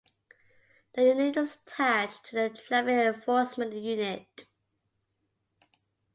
The unit is attached to the traffic enforcement unit.